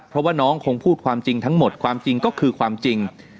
เพราะว่าน้องคงพูดความจริงทั้งหมดความจริงก็คือความจริง